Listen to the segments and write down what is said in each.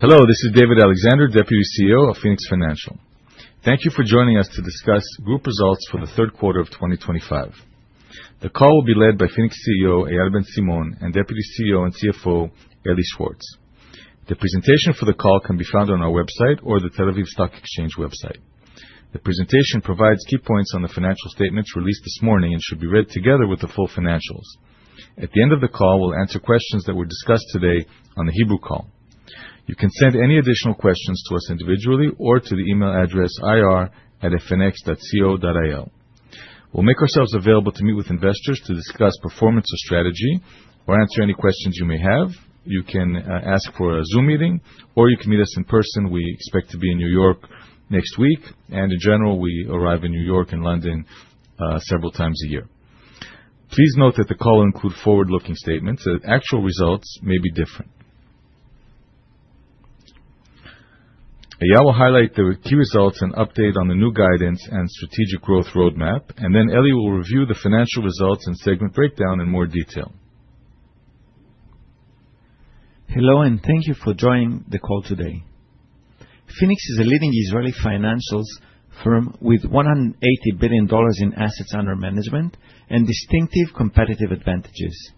Hello, this is David Alexander, Deputy CEO of Phoenix Financial. Thank you for joining us to discuss group results for the third quarter of 2025. The call will be led by Phoenix Financial CEO, Eyal Ben Simon, and Deputy CEO and CFO, Eli Schwartz. The presentation for the call can be found on our website or the Tel Aviv Stock Exchange website. The presentation provides key points on the financial statements released this morning and should be read together with the full financials. At the end of the call, we'll answer questions that were discussed today on the Hebrew call. You can send any additional questions to us individually or to the email address ir@phoenix.co.il. We'll make ourselves available to meet with investors to discuss performance or strategy or answer any questions you may have. You can ask for a Zoom meeting or you can meet us in person. We expect to be in New York next week. In general, we arrive in New York and London several times a year. Please note that the call includes forward-looking statements that actual results may be different. Eyal Ben Simon will highlight the key results and update on the new guidance and strategic growth roadmap. Then Eli Schwartz will review the financial results and segment breakdown in more detail. Hello. Thank you for joining the call today. Phoenix Financial is a leading Israeli financials firm with $180 billion in assets under management and distinctive competitive advantages.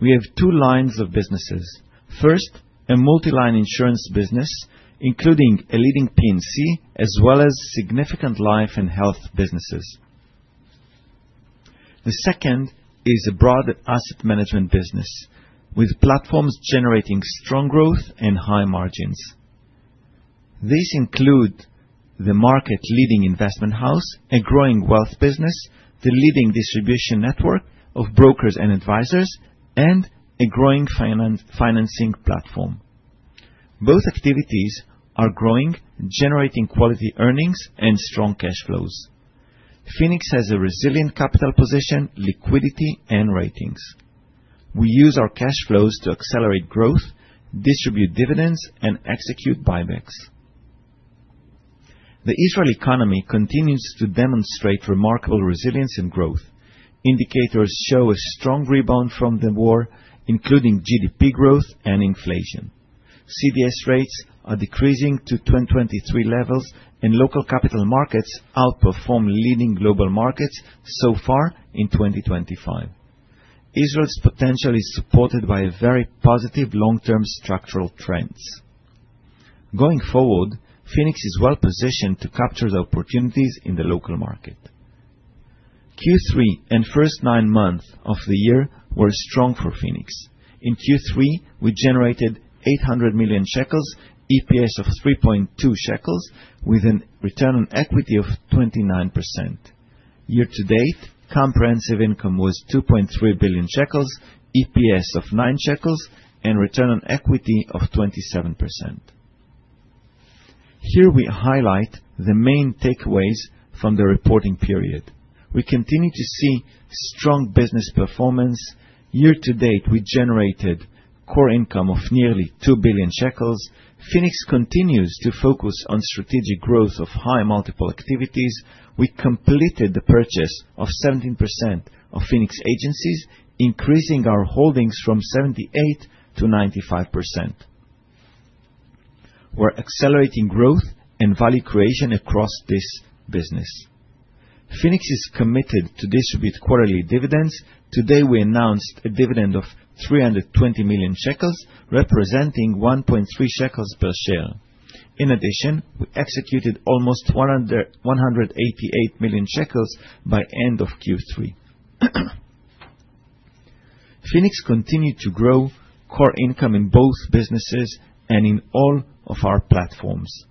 We have two lines of businesses. First, a multi-line insurance business, including a leading P&C, as well as significant life and health businesses. The second is a broad asset management business with platforms generating strong growth and high margins. These include the market-leading investment house, a growing wealth business, the leading distribution network of brokers and advisors, and a growing financing platform. Both activities are growing, generating quality earnings and strong cash flows. Phoenix Financial has a resilient capital position, liquidity, and ratings. We use our cash flows to accelerate growth, distribute dividends, and execute buybacks. The Israel economy continues to demonstrate remarkable resilience and growth. Indicators show a strong rebound from the war, including GDP growth and inflation. CBI rates are decreasing to 2023 levels. Local capital markets outperform leading global markets so far in 2025. Israel's potential is supported by very positive long-term structural trends. Going forward, Phoenix Financial is well-positioned to capture the opportunities in the local market. Q3 and first nine months of the year were strong for Phoenix Financial. In Q3, we generated 800 million shekels, EPS of 3.2 shekels, with a return on equity of 29%. Year to date, comprehensive income was 2.3 billion shekels, EPS of 9 shekels, and return on equity of 27%. Here we highlight the main takeaways from the reporting period. We continue to see strong business performance. Year to date, we generated core income of nearly 2 billion shekels. Phoenix Financial continues to focus on strategic growth of high multiple activities. We completed the purchase of 17% of Phoenix Agencies, increasing our holdings from 78%-95%. We're accelerating growth and value creation across this business. Phoenix Financial is committed to distribute quarterly dividends. Today, we announced a dividend of 320 million shekels, representing 1.3 shekels per share. In addition, we executed almost 188 million shekels by end of Q3. Phoenix Financial continued to grow core income in both businesses and in all of our platforms.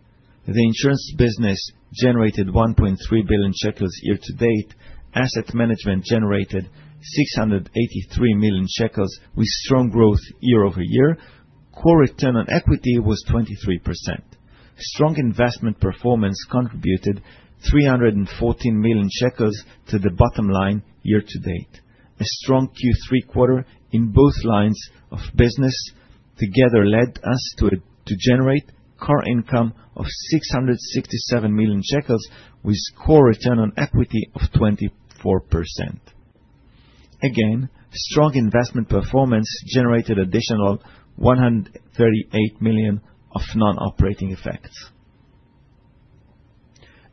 The insurance business generated 1.3 billion shekels year to date. Asset management generated 683 million shekels with strong growth year-over-year. Core return on equity was 23%. Strong investment performance contributed 314 million shekels to the bottom line year to date. A strong Q3 quarter in both lines of business together led us to generate core income of 667 million shekels with core return on equity of 24%. Strong investment performance generated additional 138 million of non-operating effects.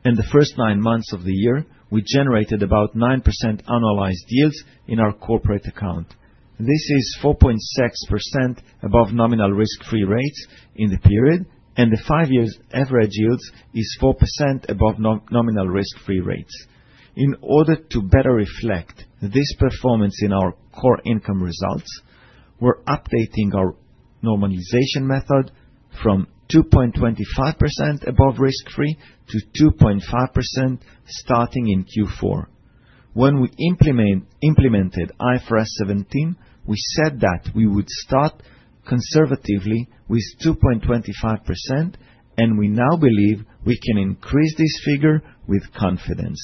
In the first nine months of the year, we generated about 9% annualized yields in our corporate account. This is 4.6% above nominal risk-free rates in the period, and the five-year average yield is 4% above nominal risk-free rates. In order to better reflect this performance in our core income results, we're updating our normalization method from 2.25% above risk-free to 2.5% starting in Q4. When we implemented IFRS 17, we said that we would start conservatively with 2.25%, and we now believe we can increase this figure with confidence.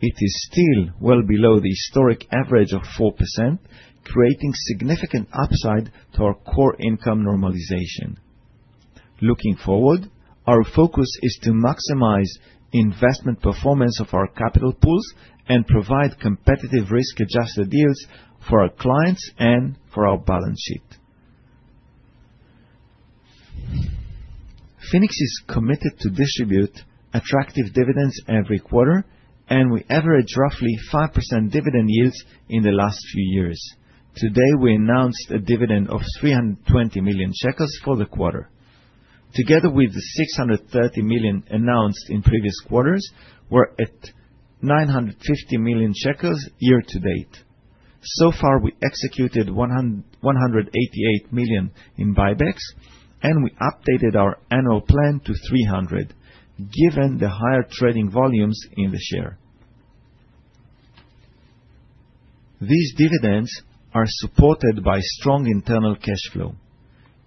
It is still well below the historic average of 4%, creating significant upside to our core income normalization. Looking forward, our focus is to maximize investment performance of our capital pools and provide competitive risk-adjusted yields for our clients and for our balance sheet. Phoenix Financial is committed to distribute attractive dividends every quarter. We average roughly 5% dividend yields in the last few years. Today, we announced a dividend of 320 million shekels for the quarter. Together with the 630 million announced in previous quarters, we're at 950 million shekels year to date. So far, we executed 188 million in buybacks, and we updated our annual plan to 300 million, given the higher trading volumes in the share. These dividends are supported by strong internal cash flow.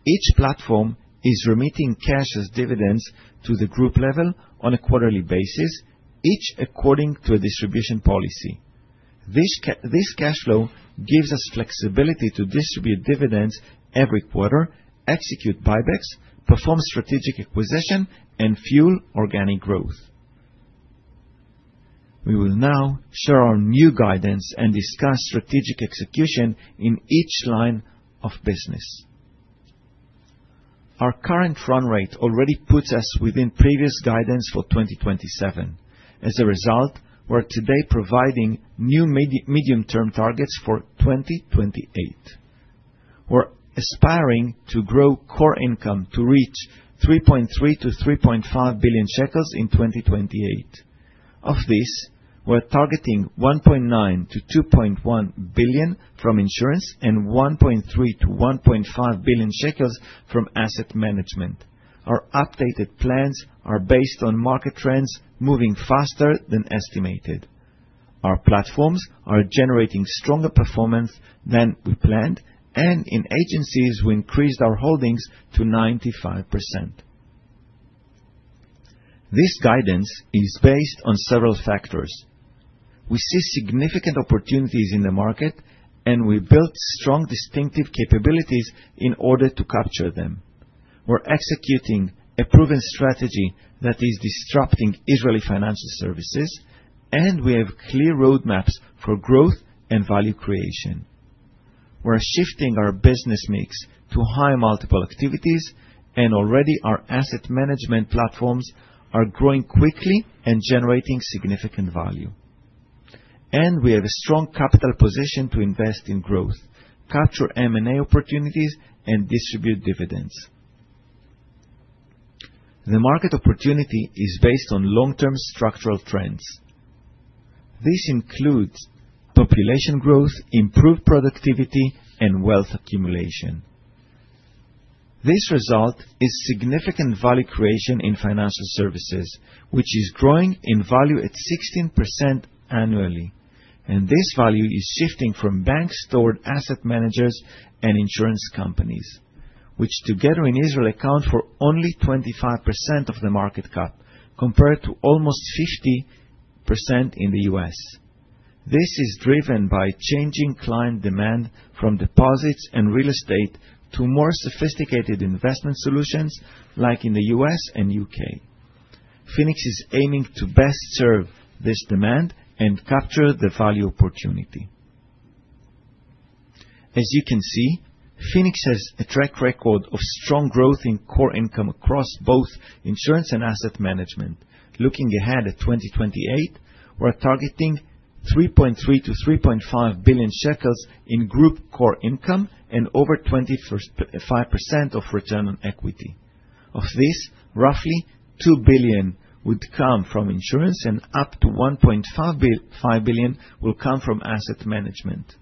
Each platform is remitting cash as dividends to the group level on a quarterly basis, each according to a distribution policy. This cash flow gives us flexibility to distribute dividends every quarter, execute buybacks, perform strategic acquisition, and fuel organic growth. We will now share our new guidance and discuss strategic execution in each line of business. Our current run rate already puts us within previous guidance for 2027. As a result, we're today providing new medium-term targets for 2028. We're aspiring to grow core income to reach 3.3 billion-3.5 billion shekels in 2028. Of this, we're targeting 1.9 billion-2.1 billion from insurance and 1.3 billion-1.5 billion shekels from asset management. Our updated plans are based on market trends moving faster than estimated. Our platforms are generating stronger performance than we planned, and in agencies, we increased our holdings to 95%. This guidance is based on several factors. We see significant opportunities in the market, and we built strong distinctive capabilities in order to capture them. We're executing a proven strategy that is disrupting Israeli financial services, and we have clear roadmaps for growth and value creation. We're shifting our business mix to higher multiple activities. Already our asset management platforms are growing quickly and generating significant value. We have a strong capital position to invest in growth, capture M&A opportunities, and distribute dividends. The market opportunity is based on long-term structural trends. This includes population growth, improved productivity, and wealth accumulation. This result is significant value creation in financial services, which is growing in value at 16% annually. This value is shifting from bank-stored asset managers and insurance companies, which together in Israel account for only 25% of the market cap, compared to almost 50% in the U.S. This is driven by changing client demand from deposits and real estate to more sophisticated investment solutions, like in the U.S. and U.K. Phoenix Financial is aiming to best serve this demand and capture the value opportunity. As you can see, Phoenix Financial has a track record of strong growth in core income across both insurance and asset management. Looking ahead at 2028, we're targeting 3.3 billion-3.5 billion shekels in group core income and over 25% of return on equity. Of this, roughly 2 billion would come from insurance and up to 1.5 billion will come from asset management.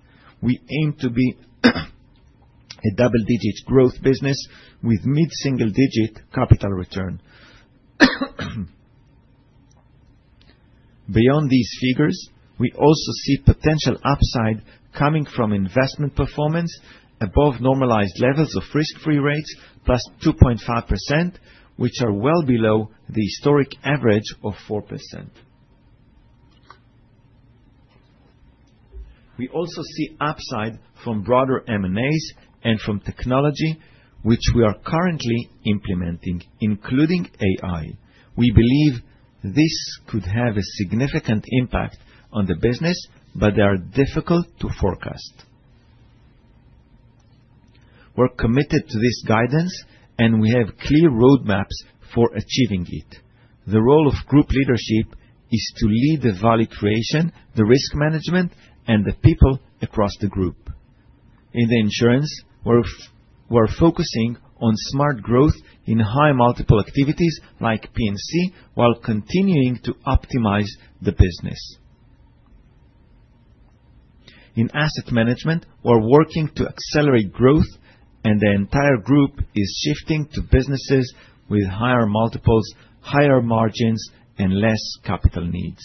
We aim to be a double-digit growth business with mid-single-digit capital return. Beyond these figures, we also see potential upside coming from investment performance above normalized levels of risk-free rates, plus 2.5%, which are well below the historic average of 4%. We also see upside from broader M&As and from technology, which we are currently implementing, including AI. We believe this could have a significant impact on the business, but they are difficult to forecast. We're committed to this guidance. We have clear roadmaps for achieving it. The role of group leadership is to lead the value creation, the risk management, and the people across the group. In the insurance, we're focusing on smart growth in high multiple activities like P&C, while continuing to optimize the business. In asset management, we're working to accelerate growth. The entire group is shifting to businesses with higher multiples, higher margins, and less capital needs.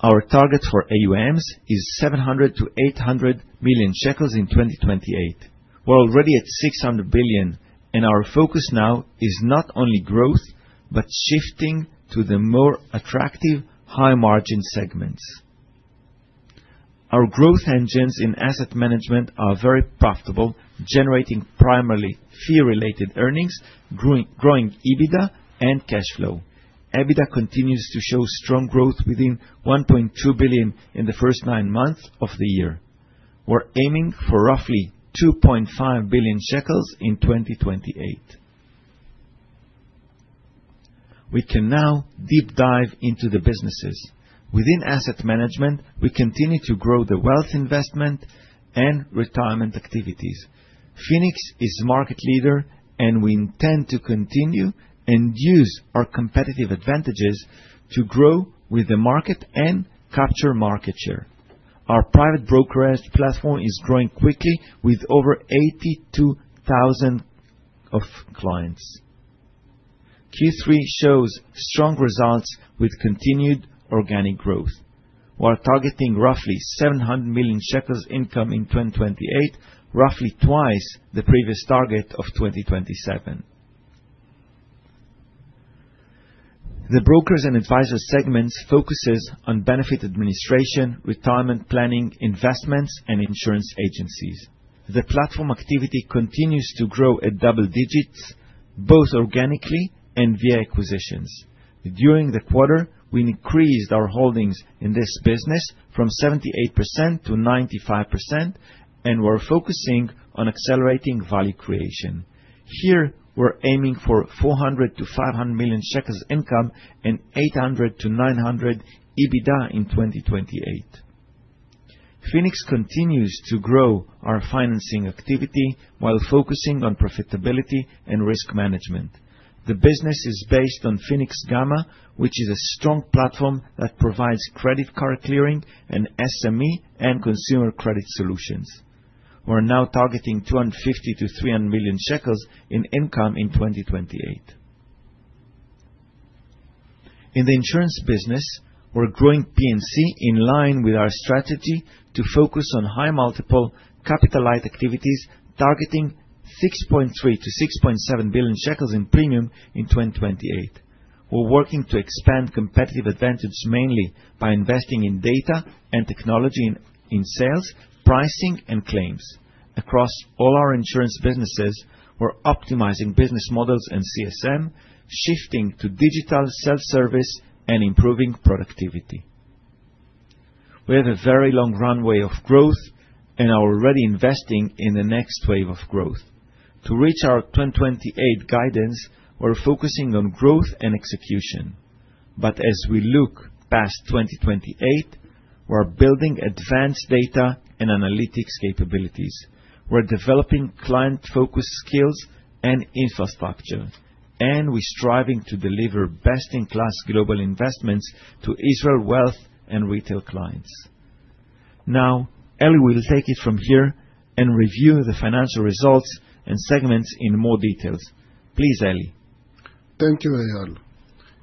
Our target for AUMs is 700 billion-800 billion shekels in 2028. We're already at 600 billion, and our focus now is not only growth, but shifting to the more attractive high-margin segments. Our growth engines in asset management are very profitable, generating primarily fee-related earnings, growing EBITDA and cash flow. EBITDA continues to show strong growth within 1.2 billion in the first nine months of the year. We're aiming for roughly 2.5 billion shekels in 2028. We can now deep dive into the businesses. Within asset management, we continue to grow the wealth investment and retirement activities. Phoenix Financial is market leader. We intend to continue and use our competitive advantages to grow with the market and capture market share. Our private brokerage platform is growing quickly with over 82,000 of clients. Q3 shows strong results with continued organic growth. We're targeting roughly 700 million shekels income in 2028, roughly twice the previous target of 2027. The brokers and advisors segments focuses on benefit administration, retirement planning, investments, and insurance agencies. The platform activity continues to grow at double digits, both organically and via acquisitions. During the quarter, we increased our holdings in this business from 78%-95%. We're focusing on accelerating value creation. Here, we're aiming for 400 million-500 million shekels income and 800 million-900 million EBITDA in 2028. Phoenix Financial continues to grow our financing activity while focusing on profitability and risk management. The business is based on Phoenix Financial-Gama, which is a strong platform that provides credit card clearing and SME and consumer credit solutions. We're now targeting 250 million-300 million shekels in income in 2028. In the insurance business, we're growing P&C in line with our strategy to focus on high multiple capital light activities, targeting 6.3 billion-6.7 billion shekels in premium in 2028. We're working to expand competitive advantage mainly by investing in data and technology in sales, pricing, and claims. Across all our insurance businesses, we're optimizing business models and CSM, shifting to digital self-service and improving productivity. We have a very long runway of growth and are already investing in the next wave of growth. To reach our 2028 guidance, we're focusing on growth and execution. As we look past 2028, we're building advanced data and analytics capabilities. We're developing client focus skills and infrastructure, striving to deliver best-in-class global investments to Israel wealth and retail clients. Eli Schwartz will take it from here and review the financial results and segments in more detail. Please, Eli Schwartz Thank you, Eyal Ben Simon.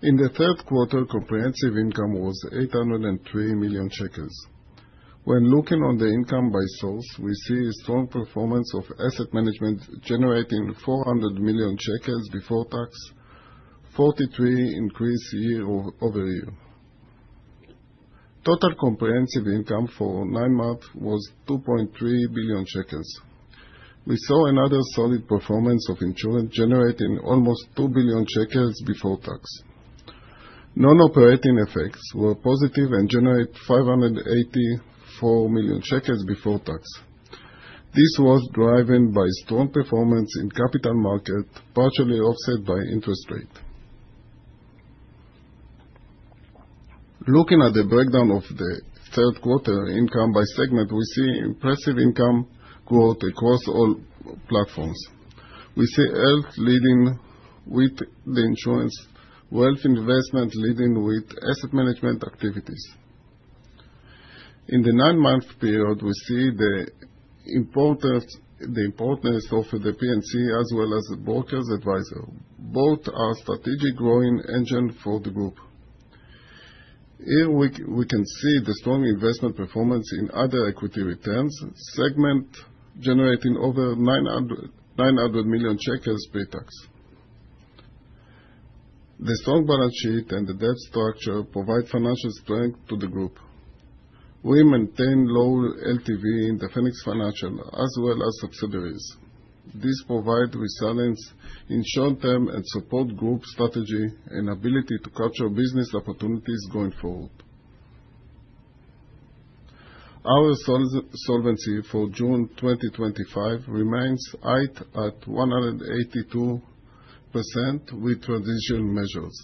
In the third quarter, comprehensive income was 803 million shekels. When looking at the income by source, we see a strong performance of asset management generating 400 million shekels before tax, 43% increase year-over-year. Total comprehensive income for nine months was 2.3 billion shekels. We saw another solid performance of insurance generating almost 2 billion shekels before tax. Non-operating effects were positive and generated 584 million shekels before tax. This was driven by strong performance in capital markets, partially offset by interest rates. Looking at the breakdown of the third quarter income by segment, we see impressive income growth across all platforms. We see health leading with the insurance, wealth investment leading with asset management activities. In the nine-month period, we see the importance of the P&C as well as the brokers advisor. Both are strategic growing engines for the group. Here we can see the strong investment performance in other equity returns segment, generating over ILS 900 million pretax. The strong balance sheet and the debt structure provides financial strength to the group. We maintain low LTV in the Phoenix Financial as well as subsidiaries. This provides resilience in short-term and supports group strategy and ability to capture business opportunities going forward. Our solvency for June 2025 remains high at 182% with transitional measures.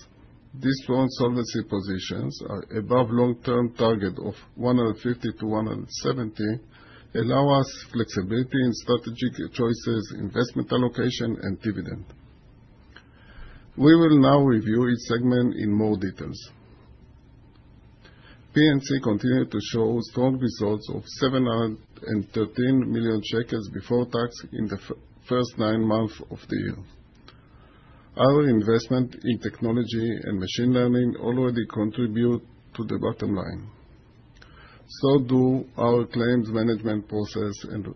This strong solvency position is above long-term target of 150%-170%, allows us flexibility in strategic choices, investment allocation, and dividend. We will now review each segment in more detail. P&C continued to show strong results of 713 million shekels before tax in the first nine months of the year. Our investment in technology and machine learning already contributes to the bottom line. Do our claims management process and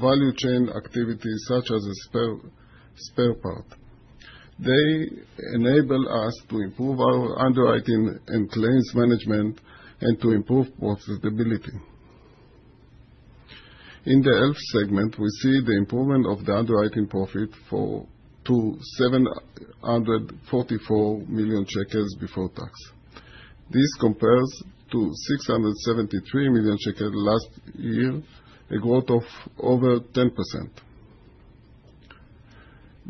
value chain activities such as spare part. They enable us to improve our underwriting and claims management and to improve profitability. In the health segment, we see the improvement of the underwriting profit to 744 million shekels before tax. This compares to 673 million shekels last year, a growth of over 10%.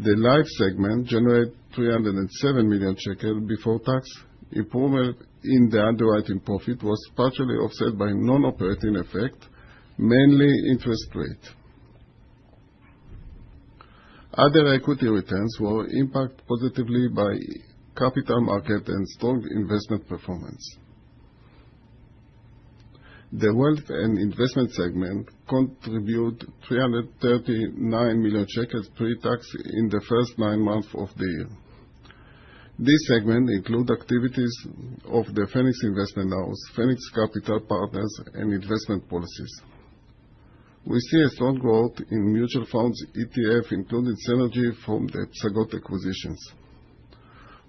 The life segment generated 307 million shekel before tax. Improvement in the underwriting profit was partially offset by non-operating effects, mainly interest rates. Other equity returns were impacted positively by capital market and strong investment performance. The wealth and investment segment contributed 339 million shekels pre-tax in the first nine months of the year. This segment includes activities of the Phoenix Financial Investment House, Phoenix Financial Capital Partners, and investment policies. We see a strong growth in mutual funds, ETF, including synergy from the Psagot acquisitions.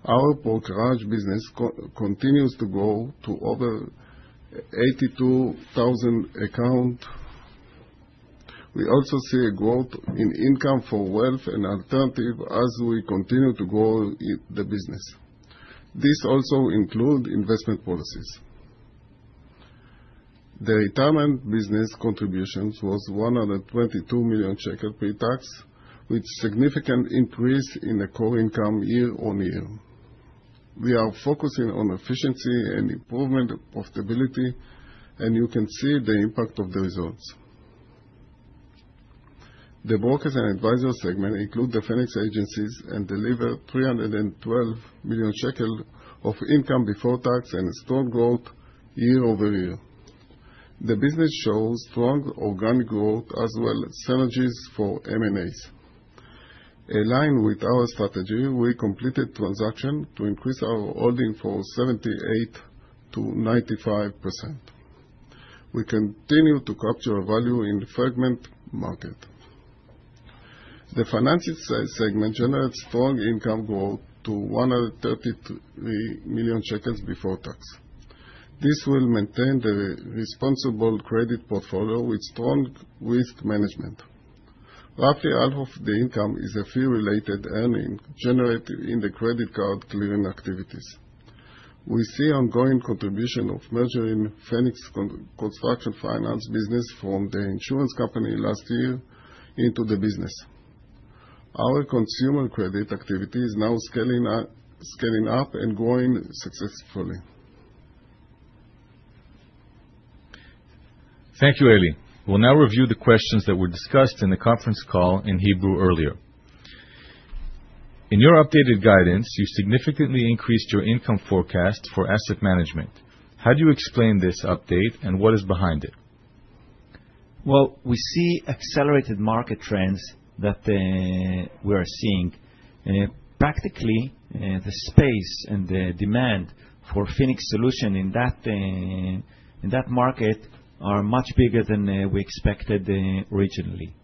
Our brokerage business continues to grow to over 82,000 accounts. We also see a growth in income for wealth and alternative as we continue to grow the business. This also includes investment policies. The retirement business contributions was 122 million shekel pre-tax, with significant increase in the core income year-on-year. We are focusing on efficiency and improvement of profitability, and you can see the impact of the results. The brokers and advisors segment includes the Phoenix Financial Agencies and delivered 312 million shekel of income before tax and a strong growth year-over-year. The business shows strong organic growth as well as synergies for M&As. Aligned with our strategy, we completed transaction to increase our holding for 78%-95%. We continue to capture value in the fragment market. The financial segment generated strong income growth to 133 million shekels before tax. This will maintain the responsible credit portfolio with strong risk management. Roughly half of the income is a fee-related earning generated in the credit card clearing activities. We see ongoing contribution of merging Phoenix Financial Construction Finance business from the insurance company last year into the business. Our consumer credit activity is now scaling up and growing successfully. Thank you, Eli Schwartz. We will now review the questions that were discussed in the conference call in Hebrew earlier. In your updated guidance, you significantly increased your income forecast for asset management. How do you explain this update and what is behind it? We see accelerated market trends that we are seeing. Practically, the space and the demand for Phoenix Financial solution in that market are much bigger than we expected originally.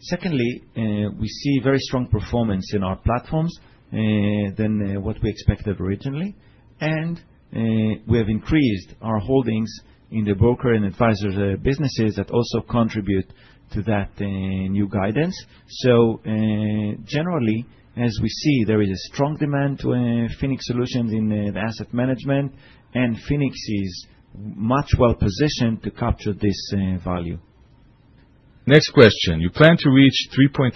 Secondly, we see very strong performance in our platforms than what we expected originally, and we have increased our holdings in the broker and advisor businesses that also contribute to that new guidance. Generally, as we see, there is a strong demand to Phoenix Financial solutions in the asset management, and Phoenix Financial is much well-positioned to capture this value. Next question. You plan to reach 3.3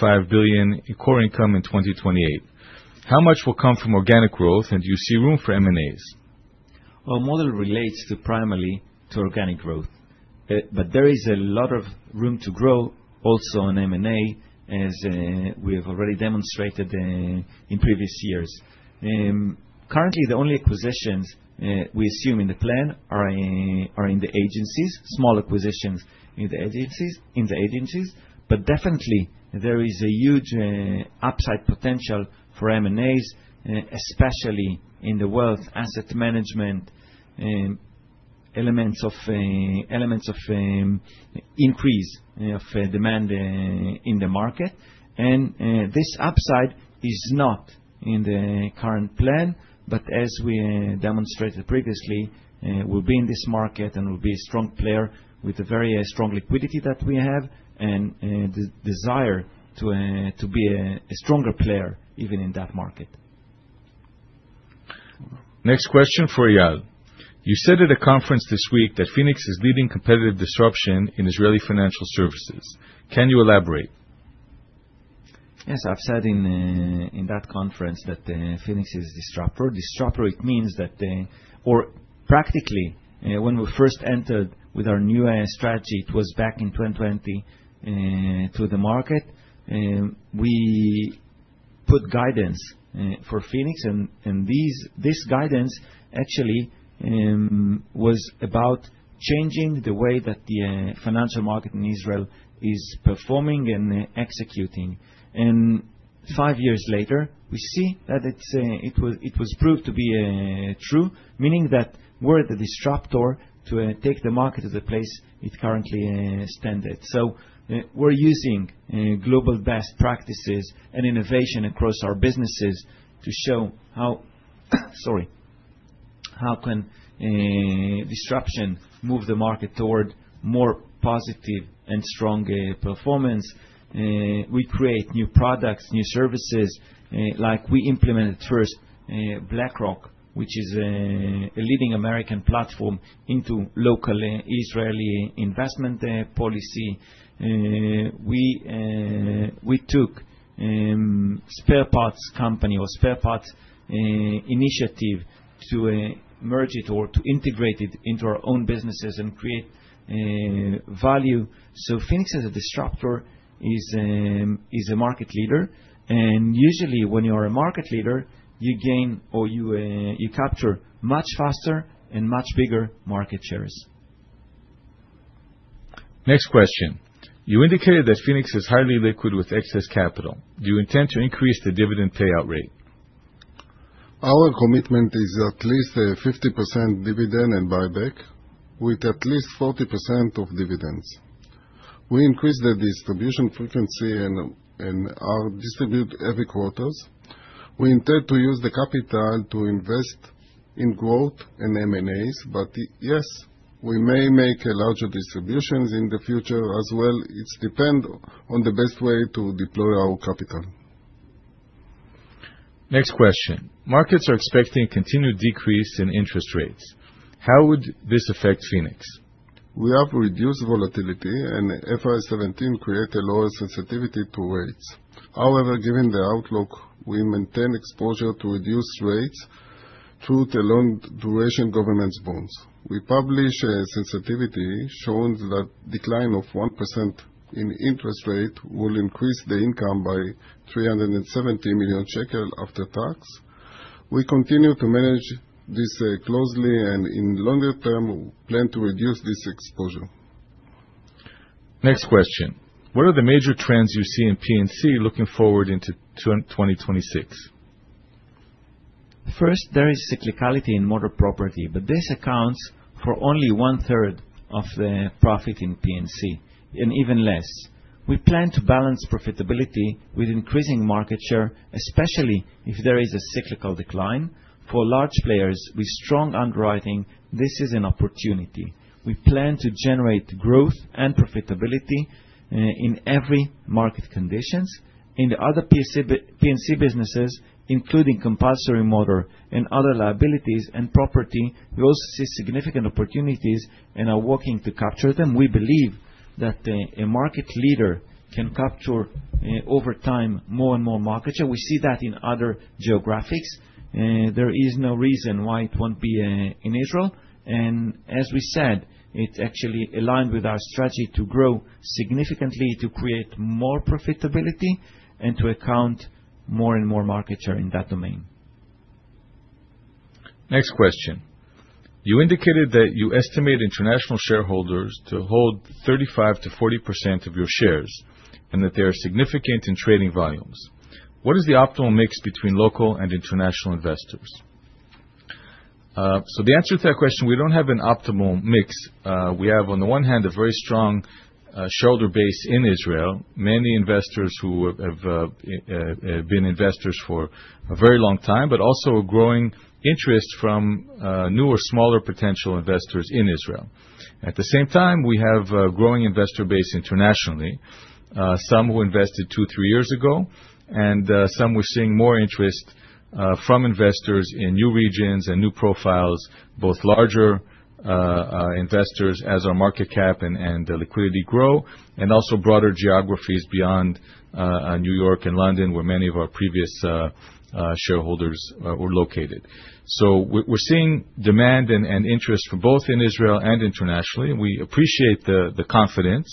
billion-3.5 billion core income in 2028. How much will come from organic growth, and do you see room for M&As? Our model relates primarily to organic growth. There is a lot of room to grow also on M&A, as we have already demonstrated in previous years. Currently, the only acquisitions we assume in the plan are in the agencies, small acquisitions in the agencies. Definitely, there is a huge upside potential for M&As, especially in the wealth asset management elements of increase of demand in the market. This upside is not in the current plan, but as we demonstrated previously, we'll be in this market, and we'll be a strong player with the very strong liquidity that we have and the desire to be a stronger player even in that market. Next question for Eyal Ben Simon. You said at a conference this week that Phoenix Financial is leading competitive disruption in Israeli financial services. Can you elaborate? Yes, I've said in that conference that Phoenix Financial is a disruptor. Disruptor, it means that practically, when we first entered with our new strategy, it was back in 2020, to the market. We put guidance for Phoenix Financial, this guidance actually was about changing the way that the financial market in Israel is performing and executing. Five years later, we see that it was proved to be true, meaning that we're the disruptor to take the market to the place it currently stands. We're using global best practices and innovation across our businesses to show how disruption move the market toward more positive and strong performance. We create new products, new services. Like we implemented first BlackRock, which is a leading American platform into local Israeli investment policy. We took spare parts company or spare parts initiative to merge it or to integrate it into our own businesses and create value. Phoenix Financial, as a disruptor, is a market leader. Usually, when you are a market leader, you gain, or you capture much faster and much bigger market shares. Next question. You indicated that Phoenix Financial is highly liquid with excess capital. Do you intend to increase the dividend payout rate? Our commitment is at least a 50% dividend and buyback, with at least 40% of dividends. We increased the distribution frequency and are distributed every quarter. We intend to use the capital to invest in growth and M&As. Yes, we may make larger distributions in the future as well. It depends on the best way to deploy our capital. Next question. Markets are expecting continued decrease in interest rates. How would this affect Phoenix Financial? We have reduced volatility, IFRS 17 create a lower sensitivity to rates. Given the outlook, we maintain exposure to reduced rates through the long-duration government bonds. We publish a sensitivity showing that decline of 1% in interest rate will increase the income by 370 million shekel after tax. We continue to manage this closely in longer term, plan to reduce this exposure. Next question. What are the major trends you see in P&C looking forward into 2026? First, there is cyclicality in motor property, This accounts for only 1/3 of the profit in P&C, and even less. We plan to balance profitability with increasing market share, especially if there is a cyclical decline. For large players with strong underwriting, this is an opportunity. We plan to generate growth and profitability in every market conditions. In the other P&C businesses, including compulsory motor and other liabilities and property, we also see significant opportunities and are working to capture them. We believe that a market leader can capture, over time, more and more market share. We see that in other geographies. There is no reason why it won't be in Israel. As we said, it's actually aligned with our strategy to grow significantly, to create more profitability, and to account more and more market share in that domain. Next question. You indicated that you estimate international shareholders to hold 35%-40% of your shares, and that they are significant in trading volumes. What is the optimal mix between local and international investors? The answer to that question, we don't have an optimal mix. We have, on one hand, a very strong shareholder base in Israel, many investors who have been investors for a very long time, but also a growing interest from newer, smaller potential investors in Israel. At the same time, we have a growing investor base internationally. Some who invested two, three years ago, and some we're seeing more interest from investors in new regions and new profiles, both larger investors as our market cap and liquidity grow, and also broader geographies beyond New York and London, where many of our previous shareholders were located. We're seeing demand and interest for both in Israel and internationally. We appreciate the confidence,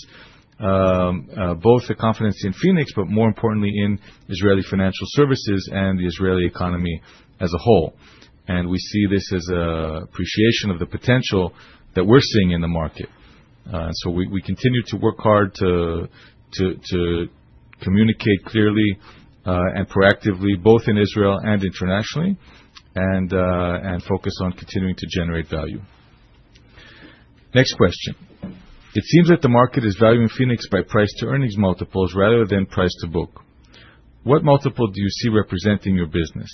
both the confidence in Phoenix Financial, but more importantly in Israeli financial services and the Israeli economy as a whole. We see this as appreciation of the potential that we're seeing in the market. We continue to work hard to communicate clearly and proactively, both in Israel and internationally, and focus on continuing to generate value. Next question. It seems that the market is valuing Phoenix Financial by price-to-earnings multiples rather than price-to-book. What multiple do you see representing your business?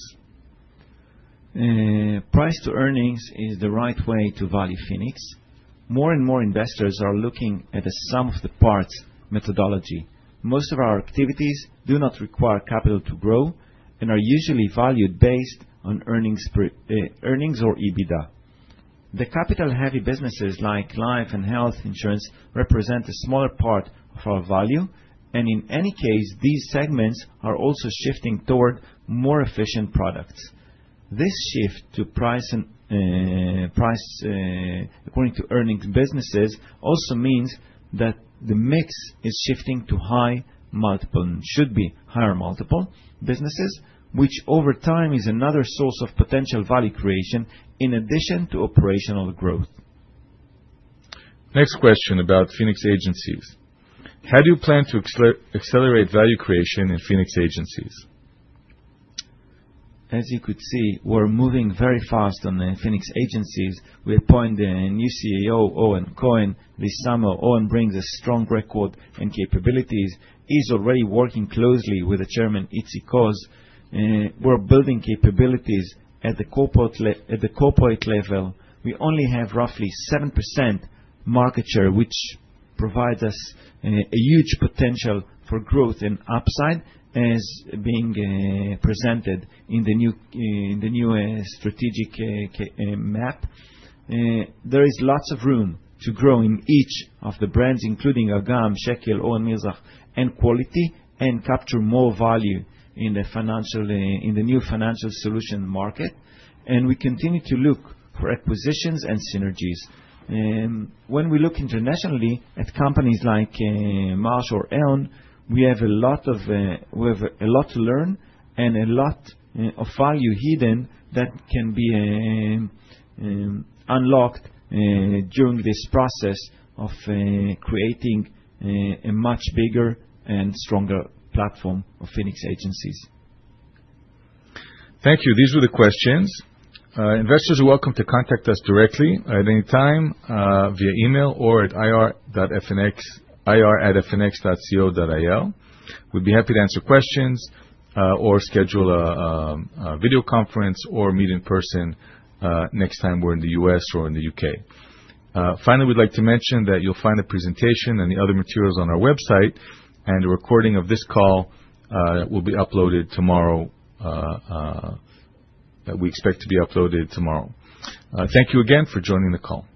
Price-to-earnings is the right way to value Phoenix Financial. More and more investors are looking at a sum-of-the-parts methodology. Most of our activities do not require capital to grow and are usually valued based on earnings or EBITDA. The capital-heavy businesses like life and health insurance represent a smaller part of our value, and in any case, these segments are also shifting toward more efficient products. This shift to price according to earnings businesses also means that the mix is shifting to high multiple, should be higher multiple, businesses, which over time is another source of potential value creation in addition to operational growth. Next question about Phoenix Financial Agencies. How do you plan to accelerate value creation in Phoenix Financial Agencies? As you could see, we're moving very fast on the Phoenix Financial Agencies. We appointed a new CEO, Oren Cohen, this summer. Oren brings a strong record and capabilities. He's already working closely with the chairman, Itzik Oz. We're building capabilities at the corporate level. We only have roughly 7% market share, which provides us a huge potential for growth and upside as being presented in the new strategic map. There is lots of room to grow in each of the brands, including Agam, Shekel, Or Mizrach, and Quality, and capture more value in the new financial solution market. We continue to look for acquisitions and synergies. When we look internationally at companies like Marsh or Aon, we have a lot to learn and a lot of value hidden that can be unlocked during this process of creating a much bigger and stronger platform of Phoenix Financial Agencies. Thank you. These were the questions. Investors are welcome to contact us directly at any time via email or at ir@phoenix.co.il. We'd be happy to answer questions or schedule a video conference or meet in person next time we're in the U.S. or in the U.K. We'd like to mention that you'll find the presentation and the other materials on our website, and a recording of this call will be uploaded tomorrow. We expect to be uploaded tomorrow. Thank you again for joining the call.